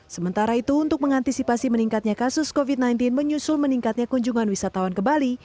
sementara itu untuk mengantisipasi meningkatnya kasus covid sembilan belas menyusul meningkatnya kunjungan wisatawan ke bali